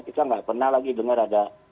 kita nggak pernah lagi dengar ada